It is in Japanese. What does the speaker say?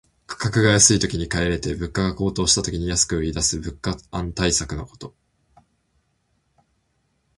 価格が安いときに買い入れて、物価が高騰した時に安く売りだす物価安定策のこと。